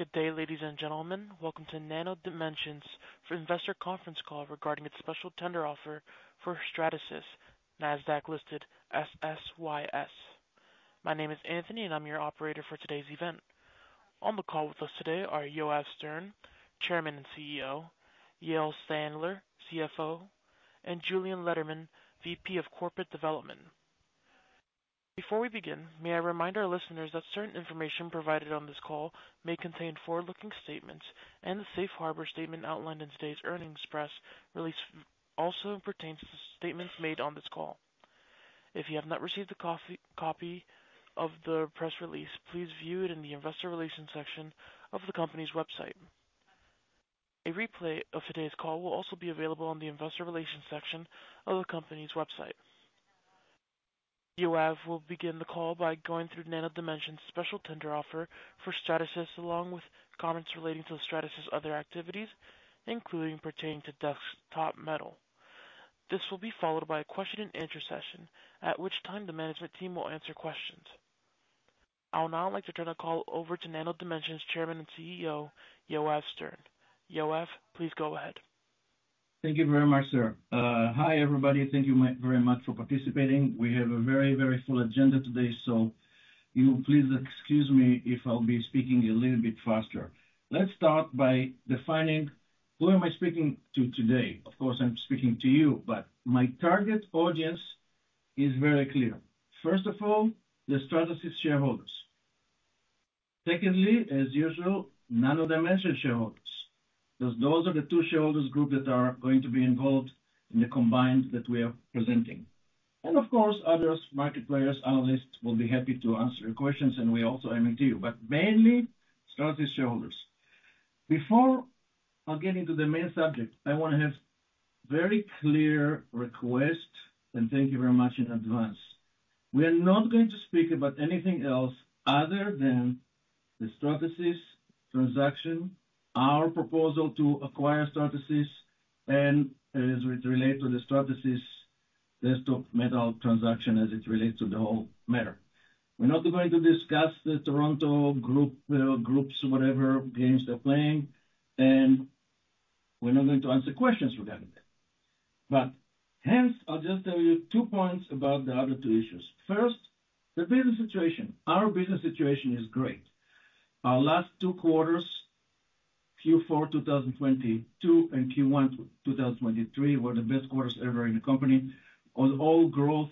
Good day, ladies and gentlemen. Welcome to Nano Dimension for Investor Conference Call regarding its special tender offer for Stratasys, Nasdaq listed SSYS. My name is Anthony, and I'm your operator for today's event. On the call with us today are Yoav Stern, Chairman and CEO, Yael Sandler, CFO, and Julien Lederman, VP of Corporate Development. Before we begin, may I remind our listeners that certain information provided on this call may contain forward-looking statements, and the safe harbor statement outlined in today's earnings press release also pertains to the statements made on this call. If you have not received the copy of the press release, please view it in the investor relations section of the company's website. A replay of today's call will also be available on the investor relations section of the company's website. Yoav will begin the call by going through Nano Dimension's special tender offer for Stratasys, along with comments relating to Stratasys' other activities, including pertaining to Desktop Metal. This will be followed by a question and answer session, at which time the management team will answer questions. I would now like to turn the call over to Nano Dimension's Chairman and CEO, Yoav Stern. Yoav, please go ahead. Thank you very much, sir. Hi, everybody. Thank you very much for participating. We have a very, very full agenda today, you will please excuse me if I'll be speaking a little bit faster. Let's start by defining who am I speaking to today? Of course, I'm speaking to you, but my target audience is very clear. First of all, the Stratasys shareholders. Secondly, as usual, Nano Dimension shareholders, because those are the two shareholders group that are going to be involved in the combined that we are presenting. Of course, others, market players, analysts, will be happy to answer your questions. We also aim at you, but mainly Stratasys shareholders. Before I'll get into the main subject, I wanna have very clear request. Thank you very much in advance. We are not going to speak about anything else other than the Stratasys transaction, our proposal to acquire Stratasys, and as it relates to the Stratasys, Desktop Metal transaction as it relates to the whole matter. We're not going to discuss the Toronto group, groups, whatever games they're playing, and we're not going to answer questions regarding that. Hence, I'll just tell you two points about the other two issues. First, the business situation. Our business situation is great. Our last two quarters, Q4, 2022, and Q1, 2023, were the best quarters ever in the company, on all growth,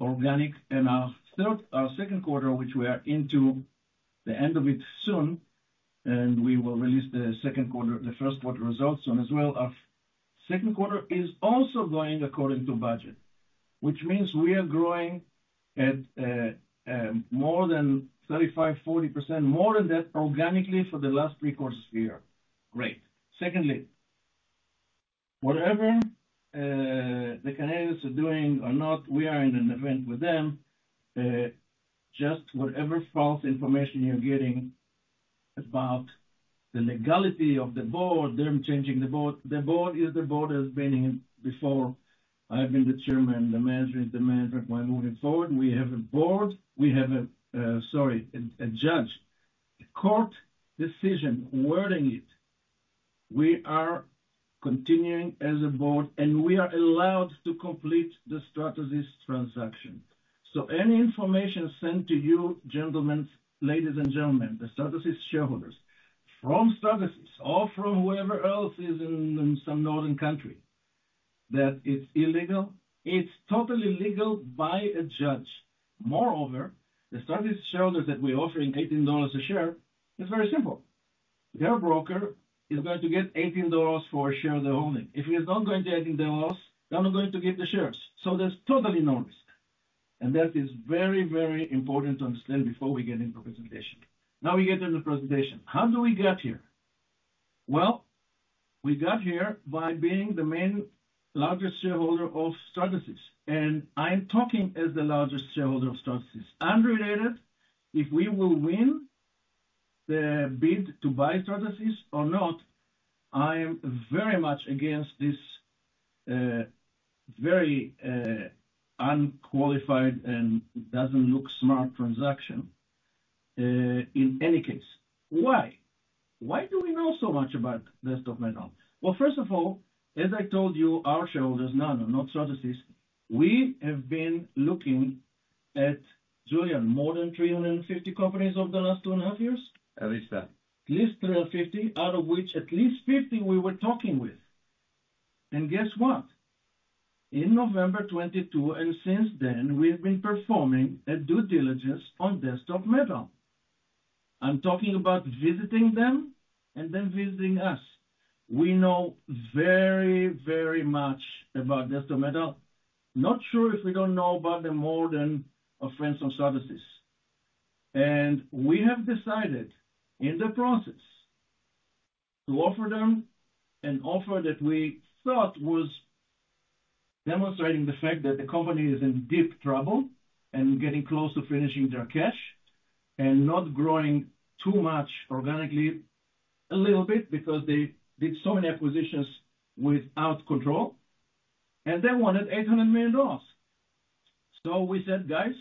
organic. Our Q2, which we are into the end of it soon, and we will release the Q2, the Q1 results soon as well. Our Q2 is also going according to budget, which means we are growing at more than 35%, 40% more than that, organically for the last three quarters this year. Great. Secondly, whatever the Canadians are doing or not, we are in an event with them, just whatever false information you're getting about the legality of the board, them changing the board. The board is the board as been in before. I've been the chairman, the management by moving forward. We have a board, we have a Sorry, a judge, a court decision, wording it. We are continuing as a board. We are allowed to complete the Stratasys transaction. Any information sent to you, gentlemen, ladies and gentlemen, the Stratasys shareholders, from Stratasys or from whoever else is in some northern country, that it's illegal, it's totally legal by a judge. Moreover, the Stratasys shareholders that we're offering $18 a share, it's very simple. Their broker is going to get $18 for a share they're owning. If he is not going to $18, they're not going to get the shares, so there's totally no risk. That is very, very important to understand before we get into presentation. We get to the presentation. How do we get here? Well, we got here by being the main largest shareholder of Stratasys, and I'm talking as the largest shareholder of Stratasys. Unrelated, if we will win the bid to buy Stratasys or not, I am very much against this, very unqualified and doesn't look smart transaction, in any case. Why? Why do we know so much about Desktop Metal? First of all, as I told you, our shareholders, Nano Dimension, not Stratasys, we have been looking at Julien Lederman, more than 350 companies over the last two and half years? At least that. At least 350, out of which at least 50 we were talking with. Guess what? In November 2022, and since then, we have been performing a due diligence on Desktop Metal. I'm talking about visiting them and them visiting us. We know very, very much about Desktop Metal. Not sure if we don't know about them more than our friends from Stratasys. We have decided in the process to offer them an offer that we thought was demonstrating the fact that the company is in deep trouble, and getting close to finishing their cash, and not growing too much organically, a little bit, because they did so many acquisitions without control, and they wanted $800 million. We said, "Guys,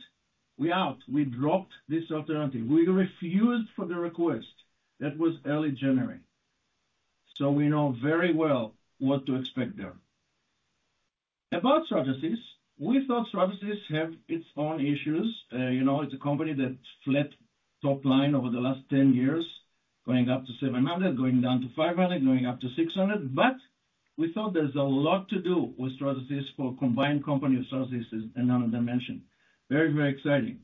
we out." We dropped this alternative. We refused for the request. That was early January. We know very well what to expect there. About Stratasys, we thought Stratasys have its own issues. You know, it's a company that flat top line over the last 10 years, going up to $700, going down to $500, going up to $600. We thought there's a lot to do with Stratasys for combined company of Stratasys, and Nano Dimension. Very exciting.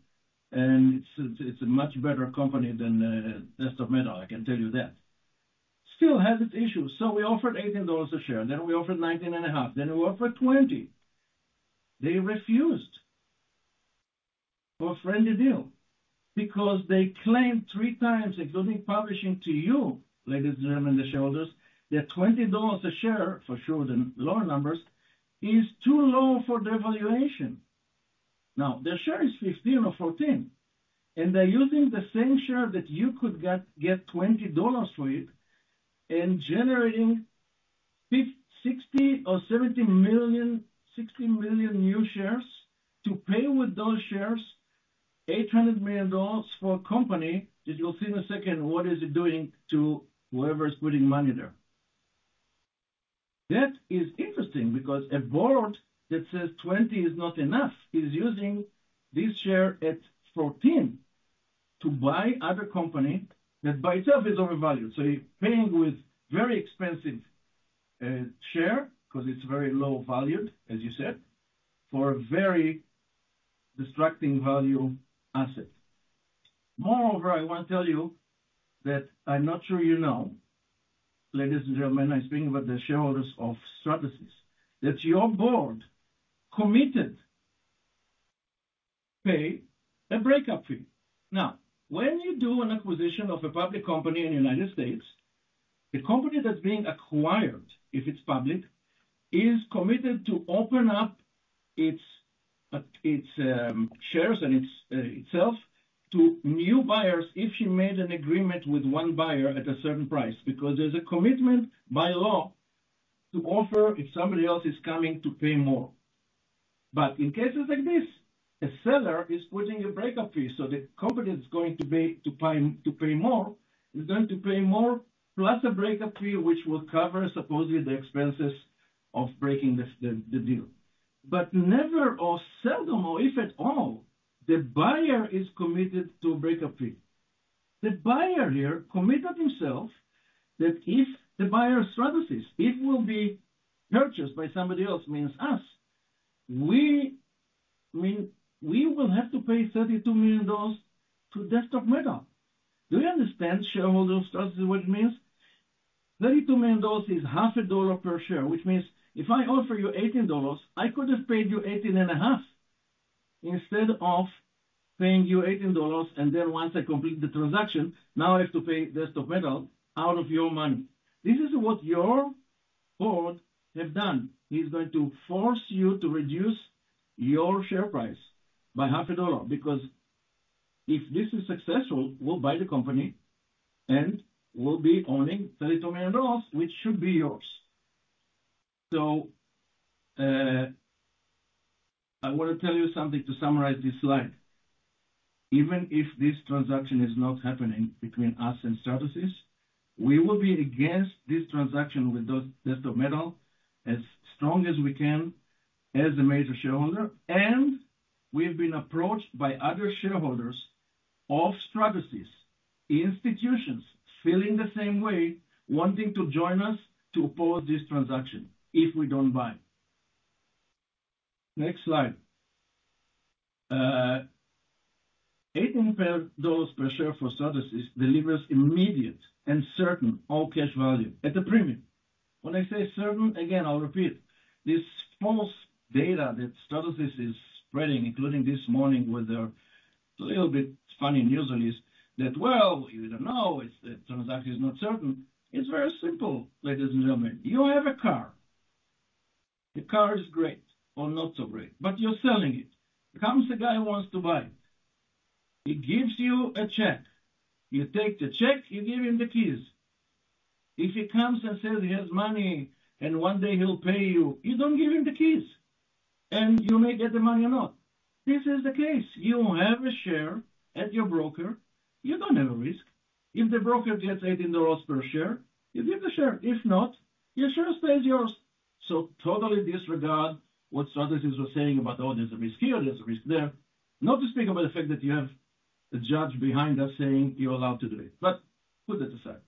It's a much better company than Desktop Metal, I can tell you that. Still has its issues, we offered $18 a share, then we offered $19.5, then we offered $20. They refused for a friendly deal because they claimed 3 times, including publishing to you, ladies and gentlemen, the shareholders, that $20 a share, for sure the lower numbers, is too low for their valuation. Their share is 15 or 14, and they're using the same share that you could get $20 for it, and generating $60 million new shares to pay with those shares, $800 million for a company, that you'll see in a second, what is it doing to whoever is putting money there? That is interesting, because a board that says 20 is not enough, is using this share at 14 to buy other company that by itself is overvalued. You're paying with very expensive share, 'cause it's very low valued, as you said, for a very distracting value asset. Moreover, I want to tell you that I'm not sure you know, ladies and gentlemen, I'm speaking about the shareholders of Stratasys, that your board committed pay a breakup fee. When you do an acquisition of a public company in the United States, the company that's being acquired, if it's public, is committed to open up its shares and itself to new buyers, if you made an agreement with one buyer at a certain price, because there's a commitment by law to offer if somebody else is coming to pay more. In cases like this, a seller is putting a breakup fee, so the company is going to pay more, plus a breakup fee, which will cover supposedly the expenses of breaking the deal. Never or seldom, or if at all, the buyer is committed to a breakup fee. The buyer here committed himself that if the buyer, Stratasys, it will be purchased by somebody else, means us. We will have to pay $32 million to Desktop Metal. Do you understand, shareholders, what it means? $32 million is half a dollar per share, which means if I offer you $18, I could have paid you $18.50, instead of paying you $18, then once I complete the transaction, now I have to pay Desktop Metal out of your money. This is what your board has done. He's going to force you to reduce your share price by half a dollar, because if this is successful, we'll buy the company, and we'll be owning $32 million, which should be yours. I want to tell you something to summarize this slide. Even if this transaction is not happening between us and Stratasys, we will be against this transaction with Desktop Metal as strong as we can, as the major shareholder. We've been approached by other shareholders of Stratasys, institutions feeling the same way, wanting to join us to oppose this transaction if we don't buy. Next slide. $18 per dollars per share for Stratasys delivers immediate and certain all cash value at a premium. When I say certain, again, I'll repeat, this false data that Stratasys is spreading, including this morning, with their little bit funny news release, that, "Well, we don't know if the transaction is not certain." It's very simple, ladies and gentlemen. You have a car. The car is great or not so great, you're selling it. Comes the guy who wants to buy it. He gives you a check, you take the check, you give him the keys. If he comes and says he has money and one day he'll pay you don't give him the keys, and you may get the money or not. This is the case. You have a share at your broker. You don't have a risk. If the broker gets $18 per share, you give the share. If not, your share stays yours. Totally disregard what Stratasys were saying about, "Oh, there's a risk here, there's a risk there." Not to speak about the fact that you have a judge behind us saying, "You're allowed to do it," but put that aside.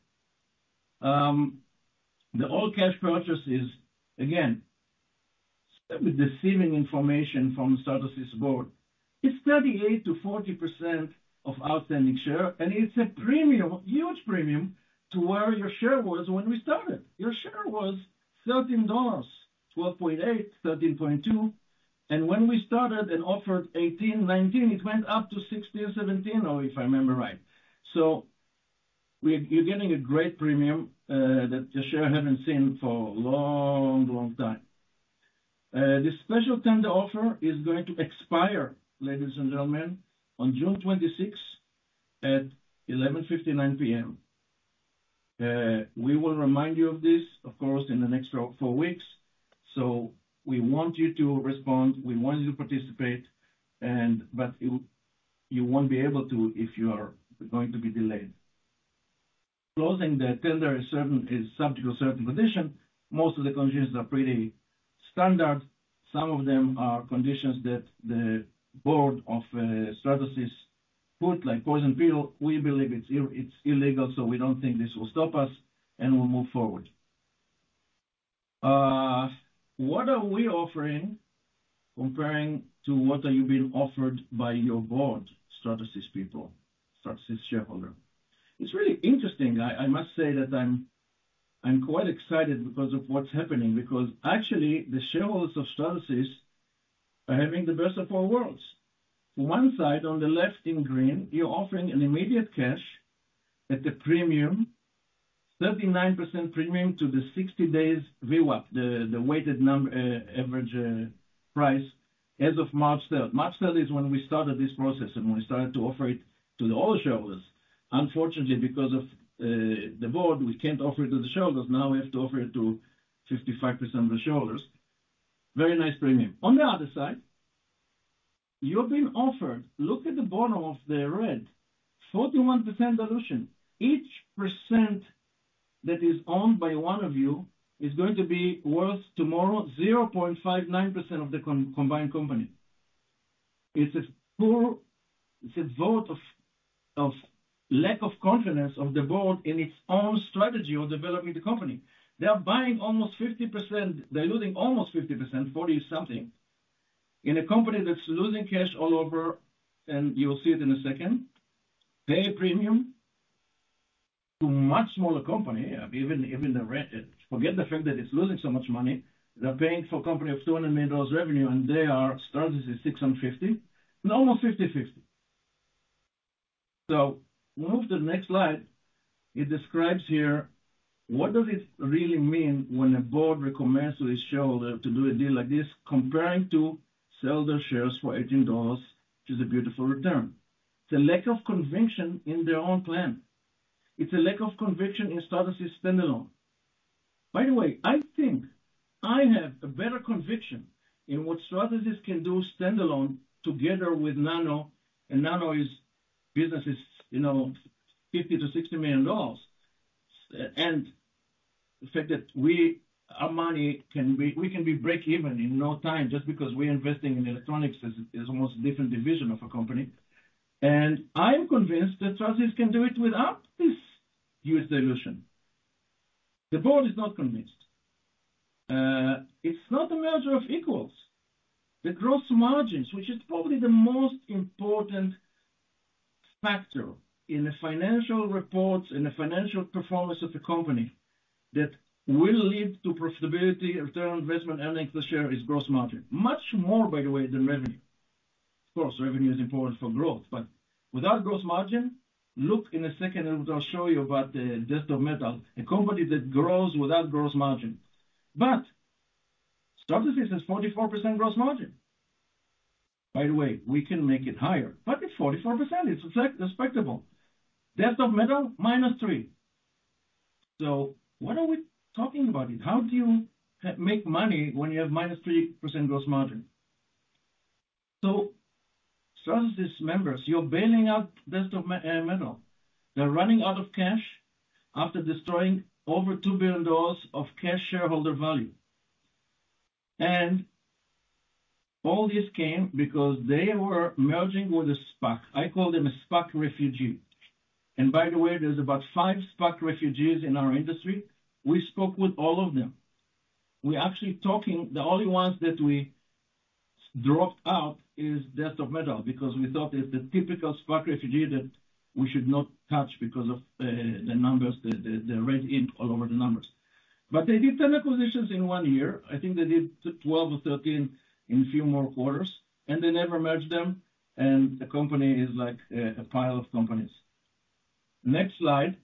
The all cash purchase is, again, with deceiving information from Stratasys board, it's 38%-40% of outstanding share, and it's a premium, huge premium to where your share was when we started. Your share was $13, $12.8, $13.2, and when we started and offered $18, $19, it went up to $16 or $17, or if I remember right. You're getting a great premium that the share haven't seen for a long, long time. This special tender offer is going to expire, ladies and gentlemen, on June 26 at 11:59 P.M. We will remind you of this, of course, in the next four weeks. We want you to respond, we want you to participate, and but you won't be able to if you are going to be delayed. Closing the tender is certain, is subject to certain conditions. Most of the conditions are pretty standard. Some of them are conditions that the board of Stratasys put, like poison pill. We believe it's illegal, so we don't think this will stop us, and we'll move forward. What are we offering comparing to what are you being offered by your board, Stratasys people, Stratasys shareholder? It's really interesting. I must say that I'm quite excited because of what's happening, because actually, the shareholders of Stratasys are having the best of all worlds. One side, on the left in green, you're offering an immediate cash at a premium, 39% premium to the 60 days VWAP, the weighted average price, as of March third. March third is when we started this process, we started to offer it to the all shareholders. Unfortunately, because of the board, we can't offer it to the shareholders, now we have to offer it to 55% of the shareholders. Very nice premium. On the other side, you're being offered... Look at the bottom of the red, 41% dilution. Each percent that is owned by one of you is going to be worth tomorrow, 0.59% of the combined company. It's a vote of lack of confidence of the board in its own strategy of developing the company. They are buying almost 50%. They're losing almost 50%, 40 something, in a company that's losing cash all over, you'll see it in a second. Pay a premium to a much smaller company, even the red. Forget the fact that it's losing so much money. They're paying for a company of $200 million revenue, and Stratasys is $650 million, and almost 50/50. Move to the next slide. It describes here, what does it really mean when a board recommends to a shareholder to do a deal like this, comparing to sell their shares for $18, which is a beautiful return? It's a lack of conviction in their own plan. It's a lack of conviction in Stratasys standalone. By the way, I think I have a better conviction in what Stratasys can do standalone together with Nano, and Nano is business is, you know, $50 million-$60 million. And the fact that our money can be... We can be breakeven in no time just because we're investing in electronics as almost different division of a company. I'm convinced that Stratasys can do it without this huge dilution. The board is not convinced. It's not a merger of equals. The gross margins, which is probably the most important factor in the financial reports, in the financial performance of the company, that will lead to profitability, return on investment, earnings per share is gross margin. Much more, by the way, than revenue. Of course, revenue is important for growth, but without gross margin, look in a second, and I'll show you about the Desktop Metal, a company that grows without gross margin. Stratasys has 44% gross margin. By the way, we can make it higher, but it's 44%. It's respectable. Desktop Metal, -3%. What are we talking about here? How do you make money when you have minus 3% gross margin? Stratasys members, you're bailing out Desktop Metal. They're running out of cash after destroying over $2 billion of cash shareholder value. All this came because they were merging with a SPAC. I call them a SPAC refugee, by the way, there's about five SPAC refugees in our industry. We spoke with all of them. The only ones that we dropped out is Desktop Metal, because we thought it's the typical SPAC refugee that we should not touch because of the numbers, the red ink all over the numbers. They did 10 acquisitions in one year. I think they did 12 or 13 in a few more quarters, they never merged them, and the company is like a pile of companies. Next slide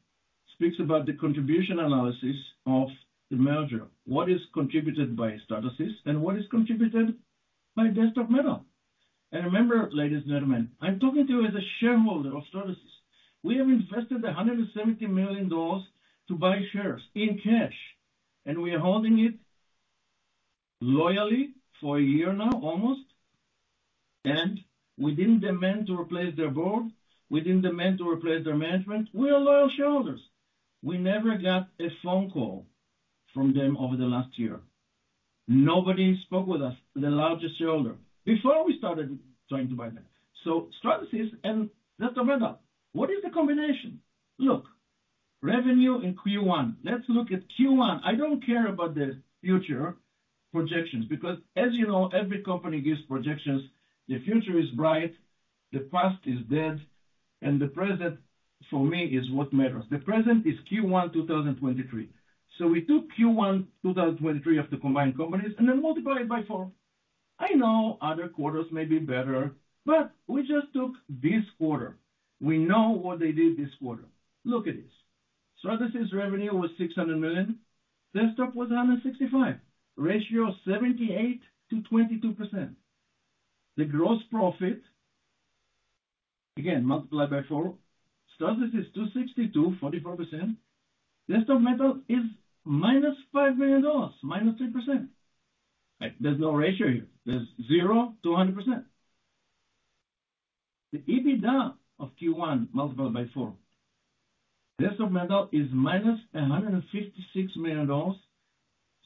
speaks about the contribution analysis of the merger. What is contributed by Stratasys, and what is contributed by Desktop Metal? Remember, ladies and gentlemen, I'm talking to you as a shareholder of Stratasys. We have invested $170 million to buy shares in cash, and we are holding it loyally for a year now, almost, and we didn't demand to replace their board, we didn't demand to replace their management. We are loyal shareholders. We never got a phone call from them over the last year. Nobody spoke with us, the largest shareholder, before we started trying to buy them. Stratasys and Desktop Metal, what is the combination? Look, revenue in Q1. Let's look at Q1. I don't care about the future projections, because as you know, every company gives projections. The future is bright, the past is dead, and the present, for me, is what matters. The present is Q1 2023. We took Q1 2023 of the combined companies and then multiply it by four. I know other quarters may be better, but we just took this quarter. We know what they did this quarter. Look at this. Stratasys revenue was $600 million, Desktop was $165 million, ratio of 78%-22%. The gross profit. Multiply by four. Stratasys is $262 million, 44%. Desktop Metal is -$5 million, -3%. There's no ratio here. There's 0%-100%. The EBITDA of Q1 multiplied by four, Desktop Metal is -$156 million.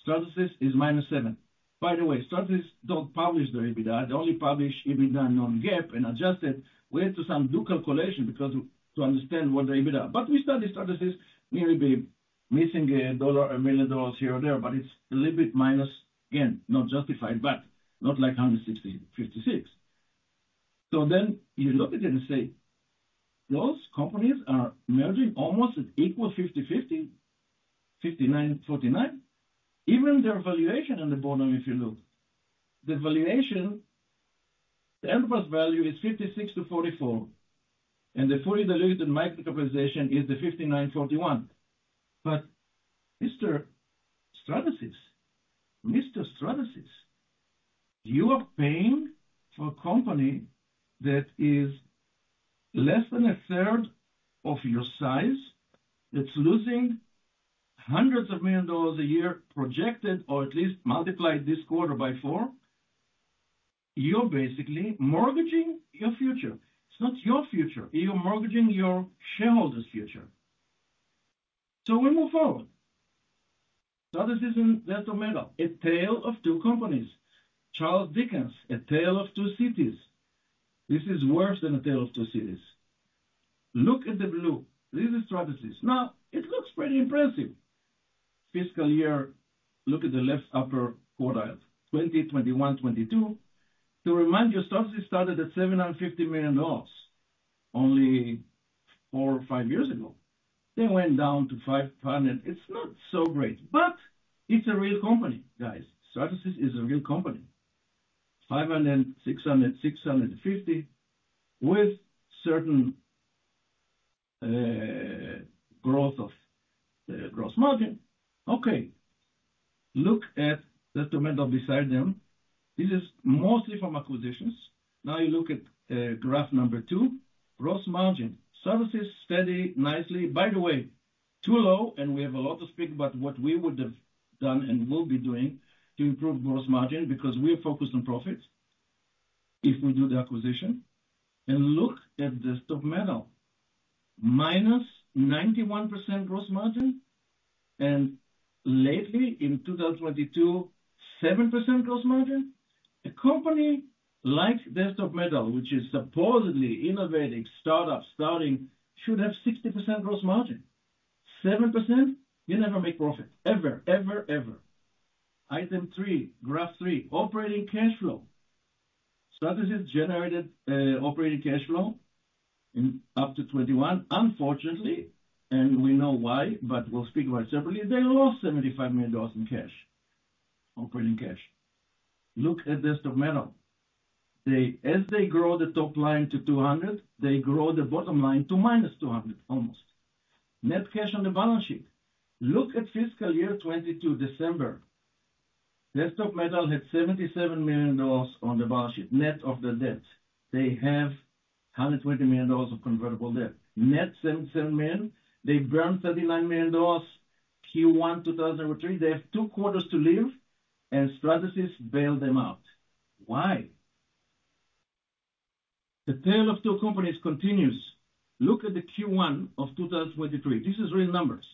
Stratasys is -$7 million. Stratasys don't publish their EBITDA. They only publish EBITDA non-GAAP and adjust it. We had to some do calculation because to understand what the EBITDA. We study Stratasys, we may be missing $1, a million dollars here or there, but it's a little bit minus. Again, not justified, but not like $160, $56. You look at it and say, those companies are merging almost at equal 50-50, 59, 49. Even their valuation on the bottom, if you look, the valuation, the enterprise value is 56-44, and the fully diluted market capitalization is the 59, 41. Mr. Stratasys, Mr. Stratasys, you are paying for a company that is less than a third of your size, that's losing hundreds of million dollars a year, projected, or at least multiply this quarter by four. You're basically mortgaging your future. It's not your future. You're mortgaging your shareholders' future. We move forward. Stratasys and Desktop Metal, a tale of two companies. Charles Dickens, A Tale of Two Cities. This is worse than A Tale of Two Cities. Look at the blue. This is Stratasys. It looks pretty impressive. Fiscal year, look at the left upper quartile, 20, 21, 22. To remind you, Stratasys started at $750 million only four or five years ago. They went down to $500 million. It's not so great, but it's a real company, guys. Stratasys is a real company. $500 million, $600 million, $650 million, with certain growth of gross margin. Look at Desktop Metal beside them. This is mostly from acquisitions. You look at graph number 2, gross margin. Stratasys steady, nicely. By the way, too low. We have a lot to speak about what we would have done and will be doing to improve gross margin, because we are focused on profits if we do the acquisition. Look at Desktop Metal, -91% gross margin. Lately in 2022, 7% gross margin. A company like Desktop Metal, which is supposedly innovating, startup, starting, should have 60% gross margin. 7%? You never make profit ever, ever. Item three, graph three, operating cash flow. Stratasys generated operating cash flow in up to 21, unfortunately. We know why, but we'll speak about it separately. They lost $75 million in cash, operating cash. Look at Desktop Metal. As they grow the top line to $200 million, they grow the bottom line to -$200 million, almost. Net cash on the balance sheet. Look at fiscal year 22, December. Desktop Metal had $77 million on the balance sheet, net of the debt. They have $120 million of convertible debt. Net $77 million. They've burned $39 million, Q1 2023. They have two quarters to live, Stratasys bailed them out. Why? The tale of two companies continues. Look at the Q1 of 2023. This is real numbers.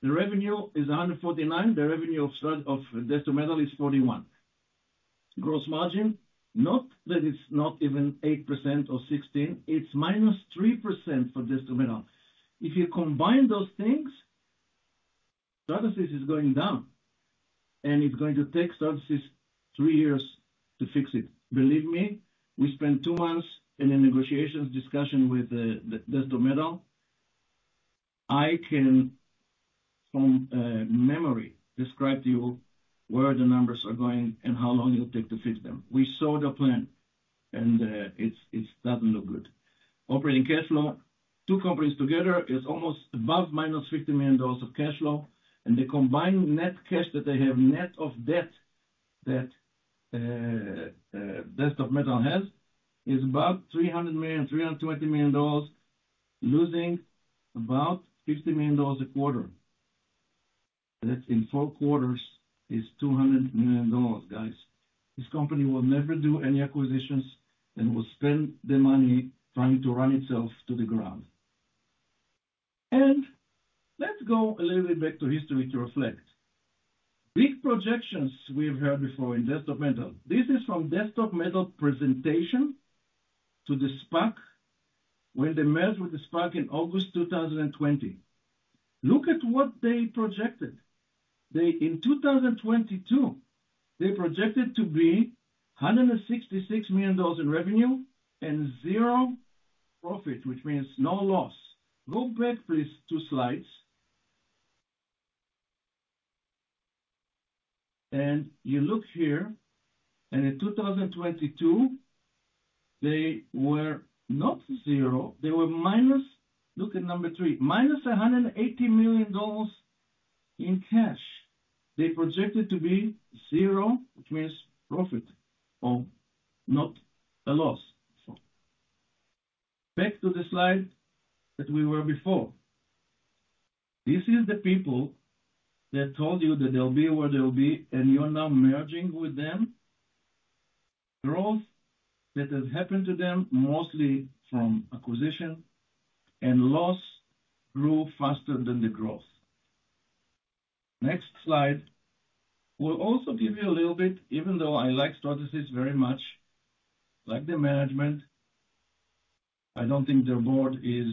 The revenue is $149 million. The revenue of Desktop Metal is $41 million. Gross margin, not that it's not even 8% or 16%, it's -3% for Desktop Metal. If you combine those things, Stratasys is going down, and it's going to take Stratasys three years to fix it. Believe me, we spent two months in a negotiations discussion with the Desktop Metal. I can, from memory, describe to you where the numbers are going and how long it'll take to fix them. We saw the plan, and it doesn't look good. Operating cash flow, two companies together is almost above -$50 million of cash flow. The combined net cash that they have, net of debt that Desktop Metal has, is about $300 million, $320 million, losing about $50 million a quarter. That's in four quarters, is $200 million, guys. This company will never do any acquisitions and will spend the money trying to run itself to the ground. Let's go a little bit back to history to reflect. Big projections we've heard before in Desktop Metal. This is from Desktop Metal presentation to the SPAC, when they merged with the SPAC in August 2020. Look at what they projected. They. In 2022, they projected to be $166 million in revenue and zero profit, which means no loss. Go back, please, two slides. You look here, in 2022, they were not zero, they were minus. Look at number three, -$180 million. In cash, they projected to be zero, which means profit or not a loss. Back to the slide that we were before. This is the people that told you that they'll be where they'll be, and you are now merging with them. Growth that has happened to them, mostly from acquisition and loss, grew faster than the growth. Next slide. Will also give you a little bit, even though I like Stratasys very much, like their management, I don't think their board is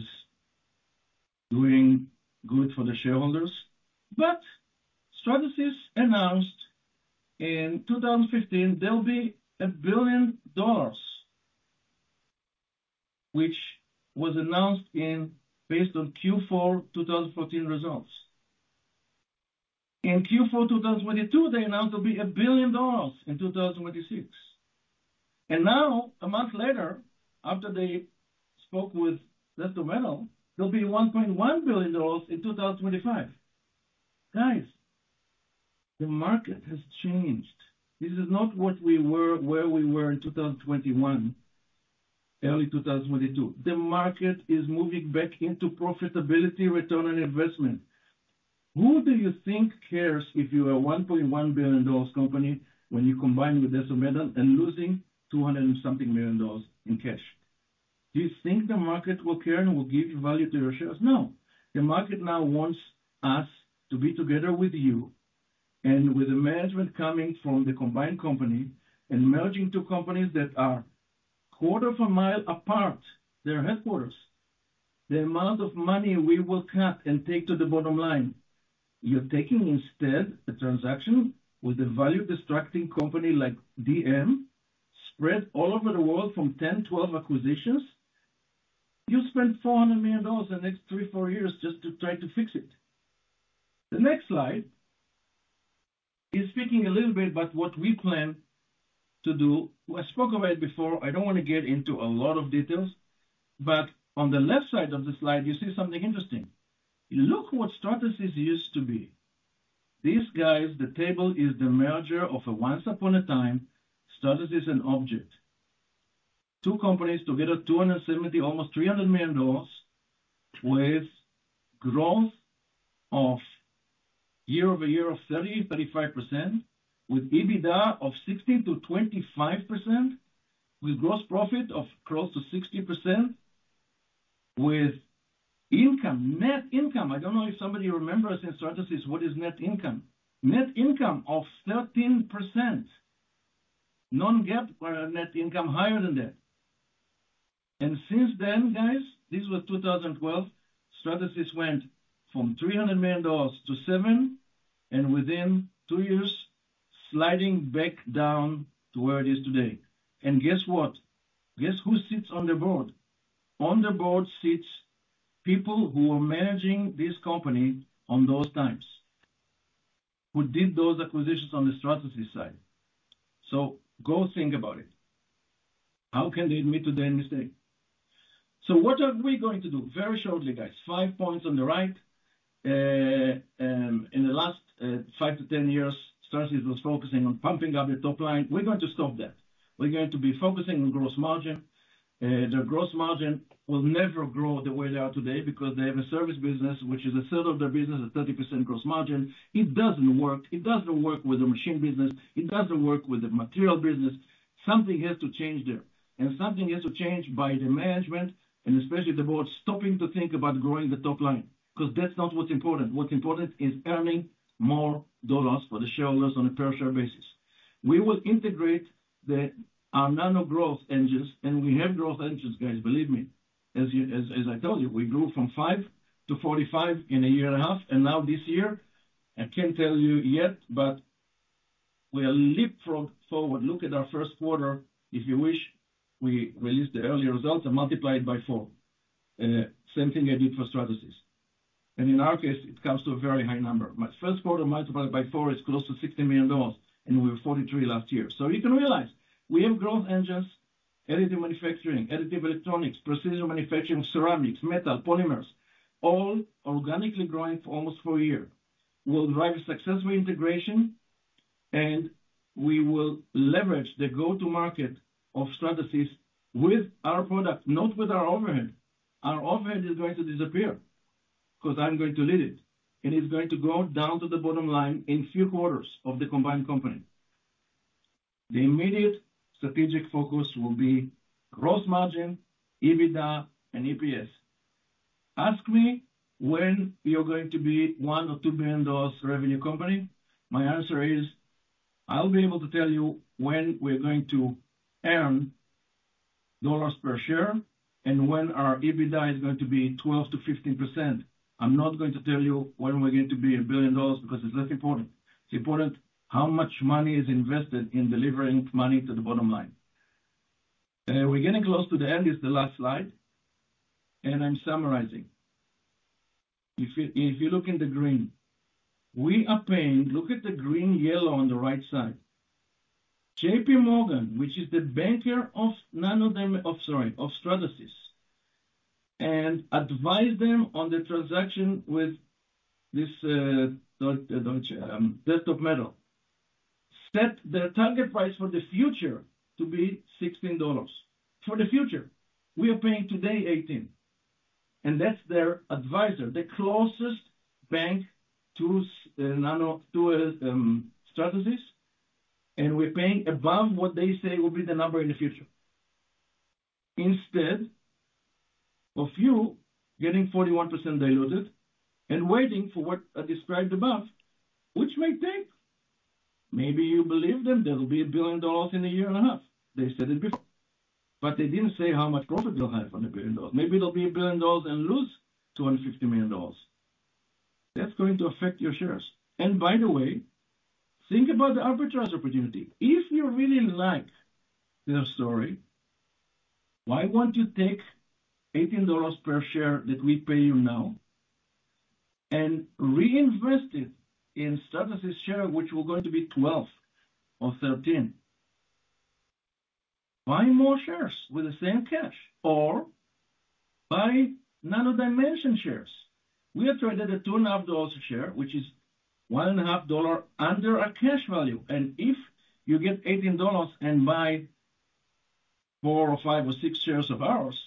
doing good for the shareholders. Stratasys announced in 2015 there'll be $1 billion, which was announced in, based on Q4 2014 results. In Q4 2022, they announced to be $1 billion in 2026, and now, a month later, after they spoke with Desktop Metal, there'll be $1.1 billion in 2025. Guys, the market has changed. This is not where we were in 2021, early 2022. The market is moving back into profitability, return on investment. Who do you think cares if you are a $1.1 billion company when you combine with Desktop Metal and losing $200 million and something in cash? Do you think the market will care and will give you value to your shares? No. The market now wants us to be together with you and with the management coming from the combined company and merging two companies that are quarter of a mile apart, their headquarters. The amount of money we will cut and take to the bottom line, you're taking instead, a transaction with a value-destructing company like DM, spread all over the world from 10, 12 acquisitions. You spend $400 million the next three, four years just to try to fix it. The next slide is speaking a little bit about what we plan to do. I spoke about it before. I don't want to get into a lot of details, but on the left side of the slide, you see something interesting. Look what Stratasys used to be. These guys, the table is the merger of a once upon a time Stratasys and Objet. Two companies together, 270, almost $300 million, with growth of year-over-year of 30%-35%, with EBITDA of 16%-25%, with gross profit of close to 60%, with income, net income. I don't know if somebody remembers in Stratasys what is net income. Net income of 13%. Non-GAAP were a net income higher than that. Since then, guys, this was 2012, Stratasys went from $300 million to $7, and within two years, sliding back down to where it is today. Guess what? Guess who sits on the board? On the board sits people who are managing this company on those times, who did those acquisitions on the Stratasys side. Go think about it. How can they admit to their mistake? What are we going to do? Very shortly, guys, five points on the right. In the last five to 10 years, Stratasys was focusing on pumping up the top line. We're going to stop that. We're going to be focusing on gross margin. Their gross margin will never grow the way they are today, because they have a service business, which is a third of their business, a 30% gross margin. It doesn't work. It doesn't work with the machine business, it doesn't work with the material business. Something has to change there. Something has to change by the management and especially the board, stopping to think about growing the top line, 'cause that's not what's important. What's important is earning more dollars for the shareholders on a per-share basis. We will integrate our Nano growth engines. We have growth engines, guys, believe me. As I told you, we grew from five to 45 in a year and a half. Now this year, I can't tell you yet, but we'll leapfrog forward. Look at our Q1. If you wish, we release the earlier results and multiply it by four. Same thing I did for Stratasys. In our case, it comes to a very high number. My Q1, multiplied by four, is close to $60 million. We were 43 last year. You can realize we have growth engines, additive manufacturing, Additive Electronics, precision manufacturing, ceramics, metal, polymers, all organically growing for almost four years. We'll drive a successful integration, and we will leverage the go-to market of Stratasys with our products, not with our overhead. Our overhead is going to disappear because I'm going to lead it, and it's going to go down to the bottom line in few quarters of the combined company. The immediate strategic focus will be gross margin, EBITDA, and EPS. Ask me when we are going to be a $1 billion or $2 billion revenue company? My answer is, I'll be able to tell you when we're going to earn dollars per share and when our EBITDA is going to be 12%-15%. I'm not going to tell you when we're going to be $1 billion, because it's less important. It's important how much money is invested in delivering money to the bottom line. We're getting close to the end, it's the last slide, and I'm summarizing. If you look in the green, we are paying. Look at the green, yellow on the right side. JPMorgan, which is the banker of Nano, sorry, of Stratasys. Advise them on the transaction with this Desktop Metal. Set their target price for the future to be $16. For the future. We are paying today $18, and that's their advisor, the closest bank to Nano, to Stratasys, and we're paying above what they say will be the number in the future. Instead of you getting 41% diluted and waiting for what I described above, which may take, maybe you believe them, there will be $1 billion in a year and a half. They said it before, but they didn't say how much profit they'll have on $1 billion. Maybe there'll be $1 billion and lose $250 million. That's going to affect your shares. By the way, think about the arbitrage opportunity. If you really like their story, why won't you take $18 per share that we pay you now and reinvest it in Stratasys share, which will going to be $12 or $13? Buy more shares with the same cash or buy Nano Dimension shares. We are traded at two and a half dollars a share, which is one and a half dollar under our cash value. If you get $18 and buy four or five or six shares of ours,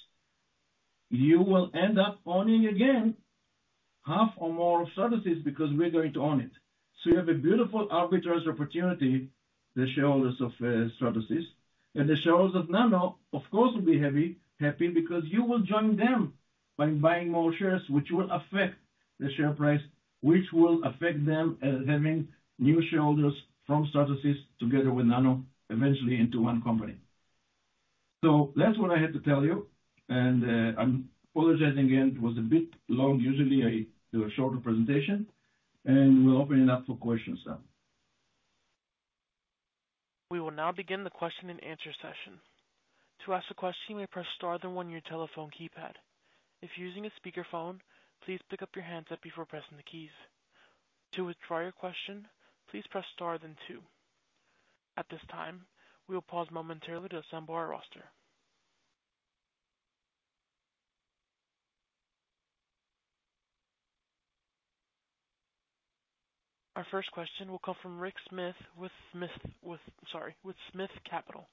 you will end up owning again, half or more of Stratasys, because we're going to own it. You have a beautiful arbitrage opportunity, the shareholders of Stratasys, and the shareholders of Nano, of course, will be happy because you will join them by buying more shares, which will affect the share price, which will affect them as having new shareholders from Stratasys together with Nano, eventually into one company. That's what I had to tell you. I'm apologizing again. It was a bit long. Usually I do a shorter presentation, and we'll open it up for questions now. We will now begin the question and answer session. To ask a question, you may press star then one on your telephone keypad. If you're using a speakerphone, please pick up your handset before pressing the keys. To withdraw your question, please press star then two. At this time, we will pause momentarily to assemble our roster. Our first question will come from Rick Smith, with Smith Capital.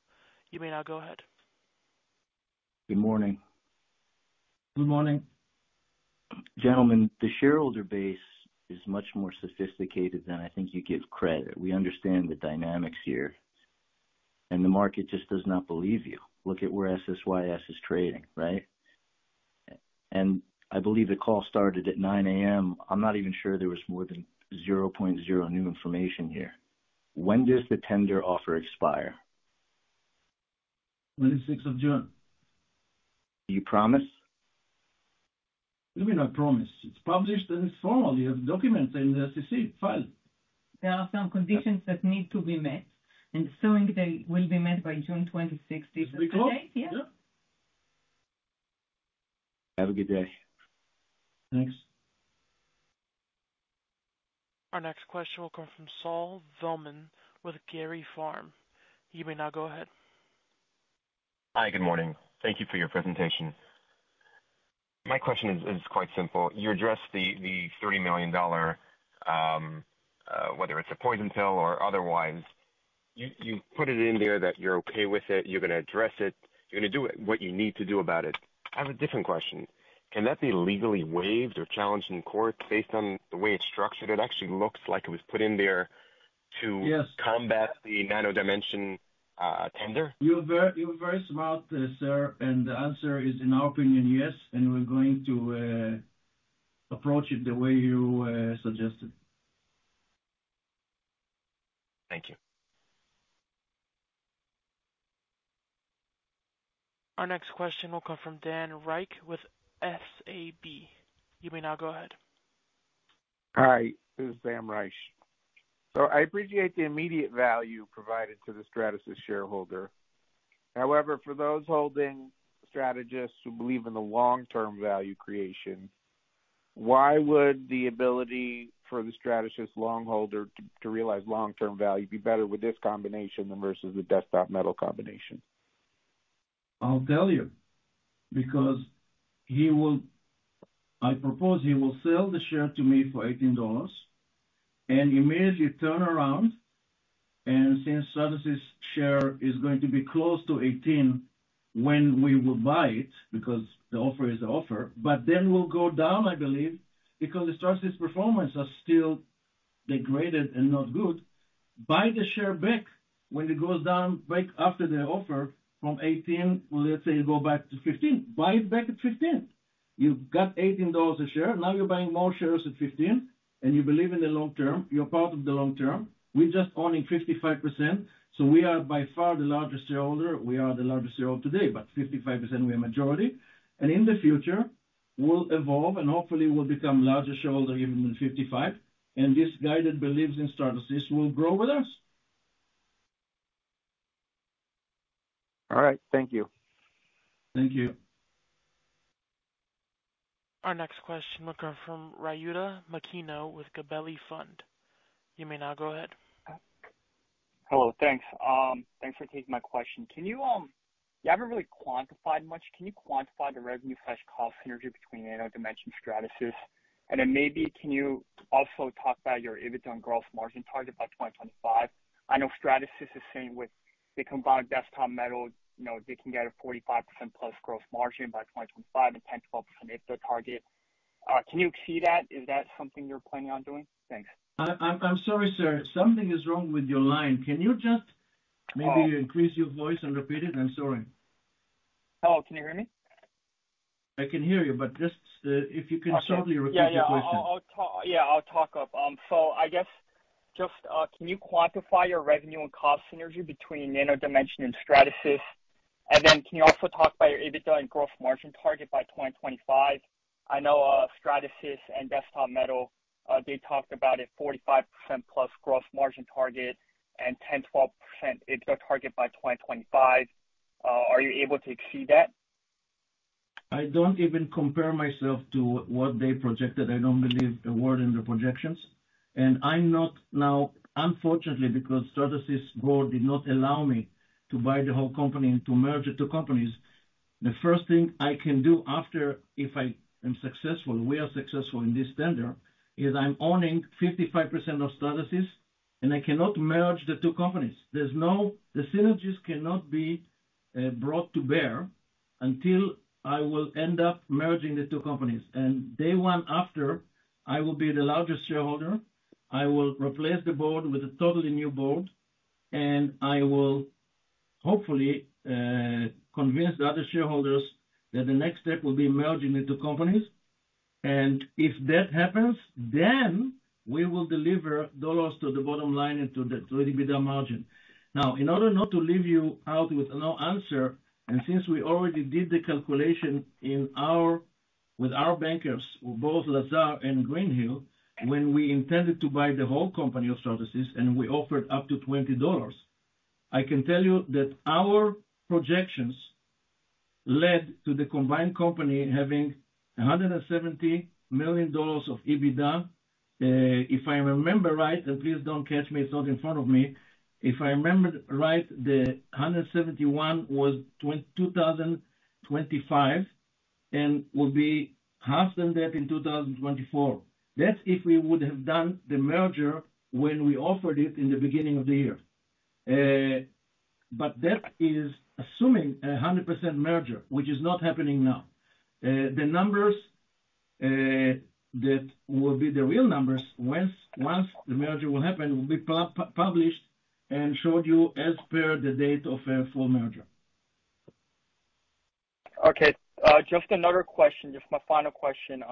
You may now go ahead. Good morning. Good morning. Gentlemen, the shareholder base is much more sophisticated than I think you give credit. We understand the dynamics here, the market just does not believe you. Look at where SSYS is trading, right? I believe the call started at 9:00 A.M. I'm not even sure there was more than 0.0 new information here. When does the tender offer expire? Twenty-sixth of June. Do you promise? What do you mean, I promise? It's published, and it's formal. You have documents in the SEC file. There are some conditions that need to be met, and assuming they will be met by June 26th. Is that correct? Yeah. Have a good day. Thanks. Our next question will come from Saul Velman with Gericare. You may now go ahead. Hi, good morning. Thank you for your presentation. My question is quite simple. You addressed the $30 million, whether it's a poison pill or otherwise, you put it in there that you're okay with it, you're gonna address it, you're gonna do what you need to do about it. I have a different question: Can that be legally waived or challenged in court based on the way it's structured? It actually looks like it was put in there. Yes. combat the Nano Dimension, tender. You're very smart, sir. The answer is, in our opinion, yes. We're going to approach it the way you suggested. Thank you. Our next question will come from Dan Reich with SAB. You may now go ahead. Hi, this is Dan Reich. I appreciate the immediate value provided to the Stratasys shareholder. However, for those holding Stratasys who believe in the long-term value creation, why would the ability for the Stratasys long holder to realize long-term value be better with this combination than versus the Desktop Metal combination? I'll tell you. I propose he will sell the share to me for $18 and immediately turn around. Since Stratasys share is going to be close to 18 when we will buy it, because the offer is the offer, will go down, I believe, because the Stratasys performance are still degraded and not good. Buy the share back when it goes down, right after the offer from 18, let's say it go back to 15. Buy it back at 15. You've got $18 a share, now you're buying more shares at 15, you believe in the long term, you're part of the long term. We're just owning 55%, we are by far the largest shareholder. We are the largest shareholder today, 55%, we are majority. In the future, we'll evolve, and hopefully we'll become larger shareholder even than 55, and this guy that believes in Stratasys will grow with us. All right. Thank you. Thank you. Our next question will come from Ryuta Makino with Gabelli Funds. You may now go ahead. Hello, thanks. Thanks for taking my question. Can you haven't really quantified much. Can you quantify the revenue flash cost synergy between Nano Dimension, Stratasys? Maybe can you also talk about your EBITDA and gross margin target by 2025? I know Stratasys is saying with the combined Desktop Metal, you know, they can get a 45%+ gross margin by 2025 and 10%-12% EBITDA target. Can you see that? Is that something you're planning on doing? Thanks. I'm sorry, sir. Something is wrong with your line. Can you just maybe increase your voice and repeat it? I'm sorry. Hello, can you hear me? I can hear you, but just, if you can shortly repeat the question? Yeah, yeah. I'll talk up. I guess just, can you quantify your revenue and cost synergy between Nano Dimension and Stratasys? Can you also talk about your EBITDA and gross margin target by 2025? I know Stratasys and Desktop Metal, they talked about a 45%+ gross margin target and 10%-12% EBITDA target by 2025. Are you able to exceed that? I don't even compare myself to what they projected. I don't believe a word in the projections, I'm not now, unfortunately, because Stratasys board did not allow me to buy the whole company and to merge the two companies. The first thing I can do after, if I am successful, we are successful in this tender, is I'm owning 55% of Stratasys, and I cannot merge the two companies. There's no... The synergies cannot be brought to bear until I will end up merging the two companies. Day one after, I will be the largest shareholder, I will replace the board with a totally new board, and I will hopefully convince the other shareholders that the next step will be merging the two companies. If that happens, then we will deliver dollars to the bottom line and to EBITDA margin. In order not to leave you out with no answer, since we already did the calculation with our bankers, both Lazard and Greenhill, when we intended to buy the whole company of Stratasys, and we offered up to $20, I can tell you that our projections led to the combined company having $170 million of EBITDA. If I remember right, and please don't catch me, it's not in front of me. If I remember right, the 171 was 2025, and will be half than that in 2024. That's if we would have done the merger when we offered it in the beginning of the year. That is assuming a 100% merger, which is not happening now. The numbers, that will be the real numbers, once the merger will happen, will be published and showed you as per the date of, full merger. Okay. just another question, just my final question.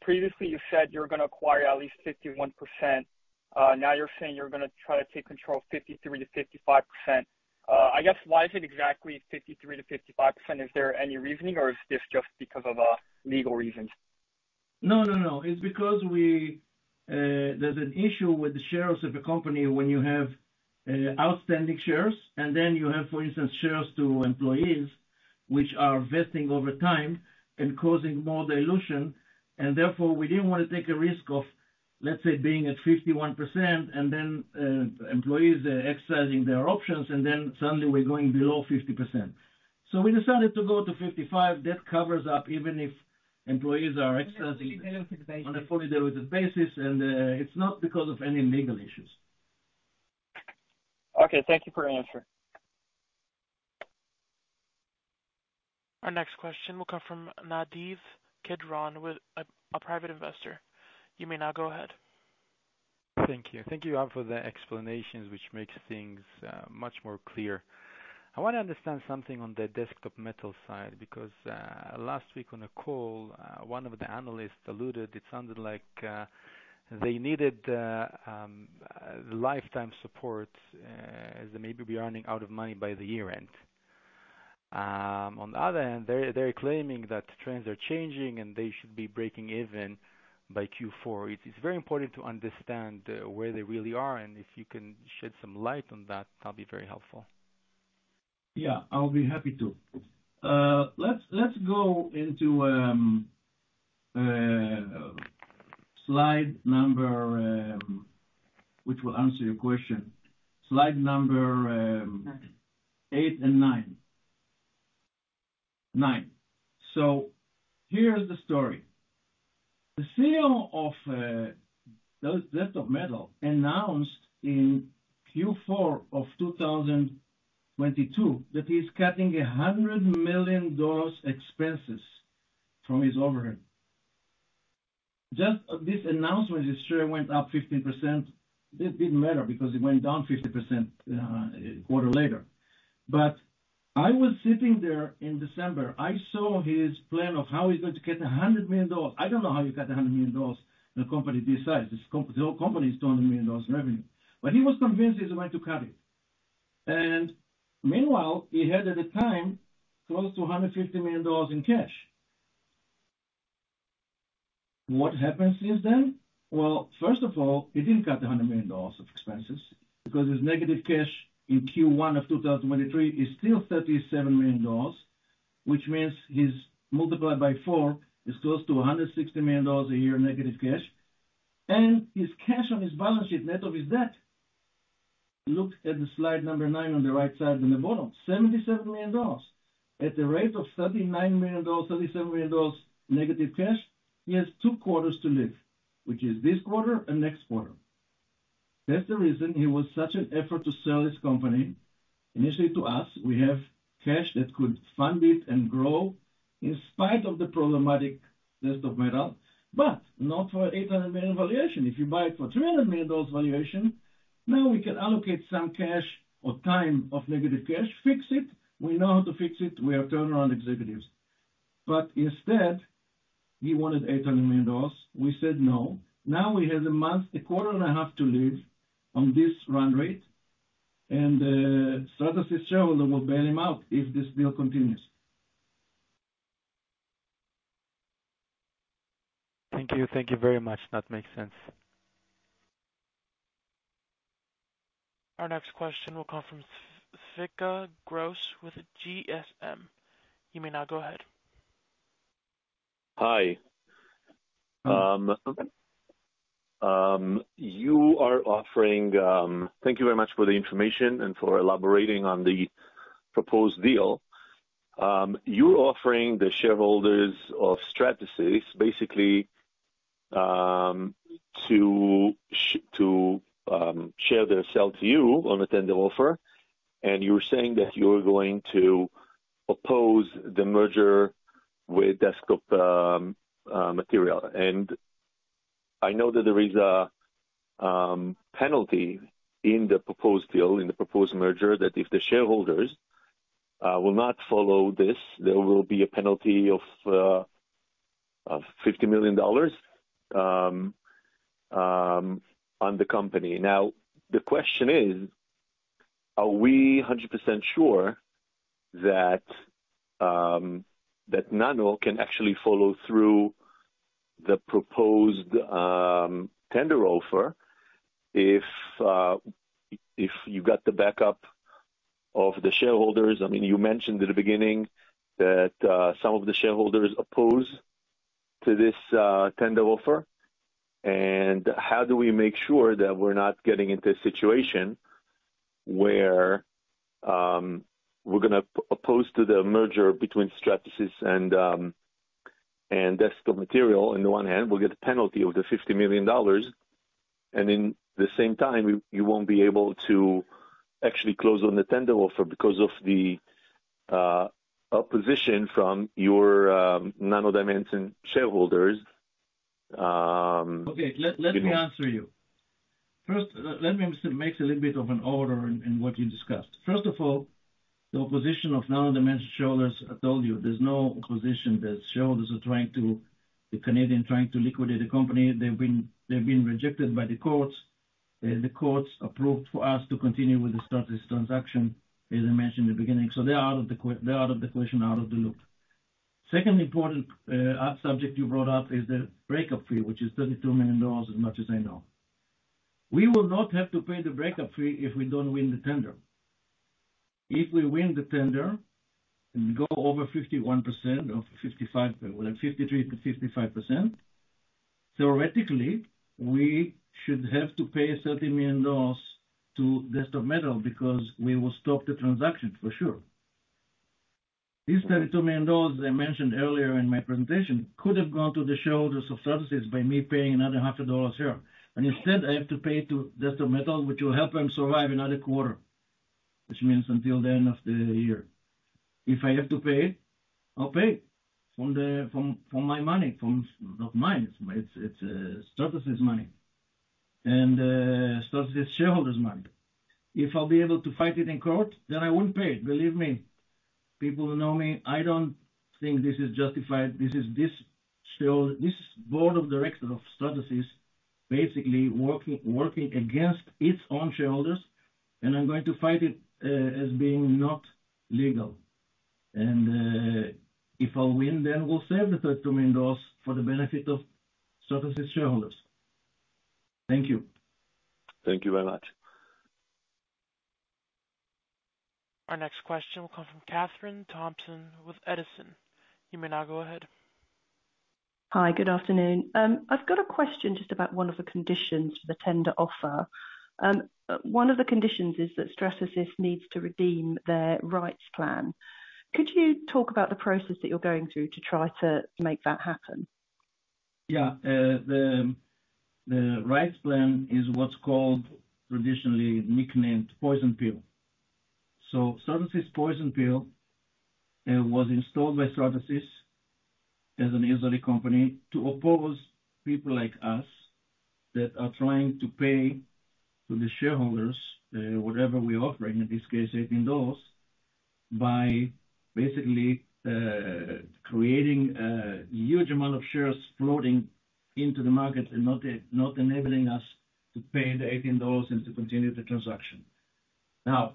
Previously you said you're gonna acquire at least 51%, now you're saying you're gonna try to take control of 53%-55%. I guess why is it exactly 53%-55%? Is there any reasoning or is this just because of, legal reasons? No, no. It's because we, there's an issue with the shares of a company when you have, outstanding shares, and then you have, for instance, shares to employees, which are vesting over time and causing more dilution, and therefore, we didn't want to take a risk of, let's say, being at 51% and then, employees, exercising their options, and then suddenly we're going below 50%. We decided to go to 55%. That covers up, even if employees are exercising on a fully diluted basis, and, it's not because of any legal issues. Okay, thank you for answering. Our next question will come from Nadav Kidron with a private investor. You may now go ahead. Thank you. Thank you, Yoav, for the explanations, which makes things much more clear. I want to understand something on the Desktop Metal side, because last week on a call, one of the analysts alluded, it sounded like they needed lifetime support as they may be running out of money by the year-end. On the other hand, they're claiming that trends are changing, and they should be breaking even by Q4. It's very important to understand where they really are, and if you can shed some light on that'll be very helpful. Yeah, I'll be happy to. Let's go into slide number. Which will answer your question. Slide number eight and nine. Nine. Here is the story. The CEO of Desktop Metal announced in Q4 of 2022 that he's cutting $100 million expenses from his overhead. Just this announcement, the share went up 15%. It didn't matter because it went down 50% a quarter later. I was sitting there in December. I saw his plan of how he's going to cut $100 million. I don't know how you cut $100 million in a company this size. The whole company is $20 million in revenue. He was convinced he's going to cut it. Meanwhile, he had, at the time, close to $150 million in cash. What happens is then? Well, first of all, he didn't cut $100 million of expenses because his negative cash in Q1 of 2023 is still $37 million. which means he's multiplied by four, is close to $160 million a year negative cash, and his cash on his balance sheet, net of his debt. Look at the slide number nine on the right side, in the bottom, $77 million. At the rate of $39 million, $37 million negative cash, he has two quarters to live, which is this quarter and next quarter. That's the reason he was such an effort to sell his company. Initially to us, we have cash that could fund it and grow in spite of the problematic Desktop Metal, but not for $800 million valuation. If you buy it for $300 million valuation, now we can allocate some cash or time of negative cash, fix it. We know how to fix it. We are turnaround executives. Instead, he wanted $800 million. We said, no. Now we have a month, a quarter, and a half to live on this run rate, and Stratasys shareholder will bail him out if this deal continues. Thank you. Thank you very much. That makes sense. Our next question will come from Fika Gross with GSM. You may now go ahead. Hi. You are offering. Thank you very much for the information and for elaborating on the proposed deal. You're offering the shareholders of Stratasys, basically, to share their self to you on a tender offer, and you're saying that you're going to oppose the merger with Desktop Metal. I know that there is a penalty in the proposed deal, in the proposed merger, that if the shareholders will not follow this, there will be a penalty of $50 million on the company. Now, the question is, are we 100% sure that Nano Dimension can actually follow through the proposed tender offer if you got the backup of the shareholders? I mean, you mentioned at the beginning that, some of the shareholders oppose to this tender offer. How do we make sure that we're not getting into a situation where, we're gonna oppose to the merger between Stratasys and Desktop Metal, on the one hand, we'll get a penalty of the $50 million, and in the same time, you won't be able to actually close on the tender offer because of the opposition from your Nano Dimension shareholders? Okay. Let me answer you. First, let me make a little bit of an order in what you discussed. First of all, the opposition of Nano Dimension shareholders, I told you, there's no opposition. The shareholders are trying to... the Canadian, trying to liquidate the company. They've been rejected by the courts. The courts approved for us to continue with the Stratasys transaction, as I mentioned in the beginning. They are out of the question, out of the loop. Second important subject you brought up is the breakup fee, which is $32 million, as much as I know. We will not have to pay the breakup fee if we don't win the tender. If we win the tender and go over 51% or 55%, well 53%-55%, theoretically, we should have to pay $30 million to Desktop Metal because we will stop the transaction for sure. These $32 million, I mentioned earlier in my presentation, could have gone to the shareholders of Stratasys by me paying another half a dollar a share. Instead, I have to pay to Desktop Metal, which will help them survive another quarter, which means until the end of the year. If I have to pay, I'll pay from my money, from... Not mine, it's Stratasys money and Stratasys shareholders' money. If I'll be able to fight it in court, I won't pay it, believe me. People who know me, I don't think this is justified. This board of directors of Stratasys basically working against its own shareholders, and I'm going to fight it as being not legal. If I win, then we'll save the $32 million for the benefit of Stratasys shareholders. Thank you. Thank you very much. Our next question will come from Katherine Thompson with Edison. You may now go ahead. Hi, good afternoon. I've got a question just about one of the conditions, the tender offer. One of the conditions is that Stratasys needs to redeem their rights plan. Could you talk about the process that you're going through to try to make that happen? Yeah. The rights plan is what's called traditionally nicknamed poison pill. Stratasys poison pill was installed by Stratasys as an Israeli company, to oppose people like us that are trying to pay to the shareholders, whatever we offering, in this case, $18, by basically creating a huge amount of shares floating into the market and not enabling us to pay the $18 and to continue the transaction. Now,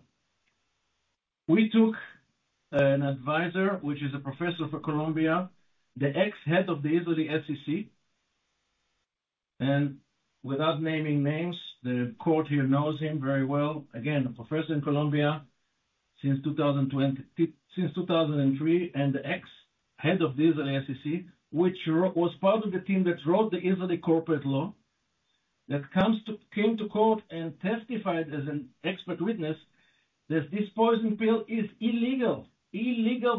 we took an advisor, which is a professor for Columbia, the ex-head of the Israeli SEC. Without naming names, the court here knows him very well. A professor in Columbia since 2003, and the ex-head of the Israeli SEC, which was part of the team that wrote the Israeli corporate law, that came to court and testified as an expert witness, that this poison pill is illegal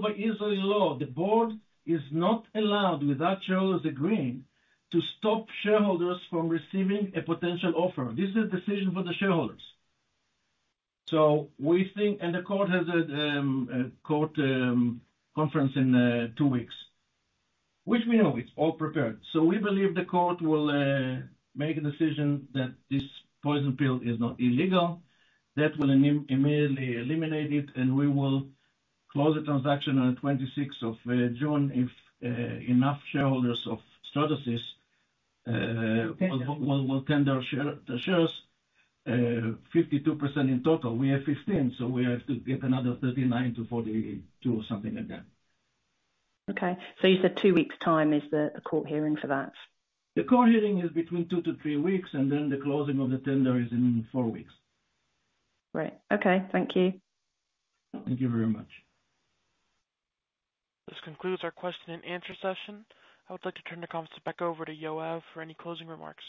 by Israeli law. The board is not allowed, without shareholders agreeing, to stop shareholders from receiving a potential offer. This is a decision for the shareholders. We think, and the court has a court conference in two weeks, which we know it's all prepared. We believe the court will make a decision that this poison pill is not illegal. That will immediately eliminate it. We will close the transaction on the 26th of June, if enough shareholders of Stratasys will tender share, the shares, 52% in total. We have 15. We have to get another 39-42 or something like that. Okay. You said two weeks time is the court hearing for that? The court hearing is between two to three weeks, and then the closing of the tender is in four weeks. Right. Okay, thank you. Thank you very much. This concludes our question and answer session. I would like to turn the conference back over to Yoav for any closing remarks.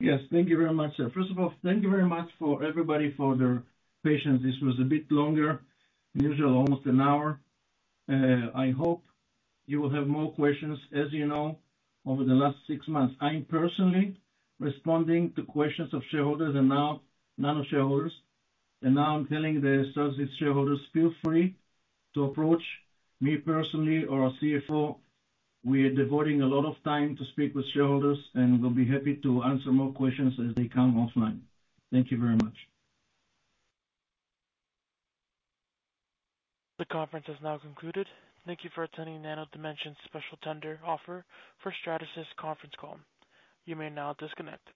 Thank you very much. First of all, thank you very much for everybody, for their patience. This was a bit longer than usual, almost an hour. I hope you will have more questions. As you know, over the last six months, I'm personally responding to questions of shareholders and now Nano Dimension shareholders, and now I'm telling the Stratasys shareholders, feel free to approach me personally or our CFO. We are devoting a lot of time to speak with shareholders, and we'll be happy to answer more questions as they come offline. Thank you very much. The conference has now concluded. Thank you for attending Nano Dimension's special tender offer for Stratasys conference call. You may now disconnect.